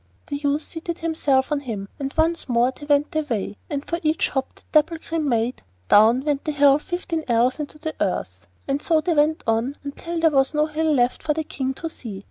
The youth seated himself on him, and once more they went their way, and for each hop that Dapplegrim made, down went the hill fifteen ells into the earth, and so they went on until there was no hill left for the King to see.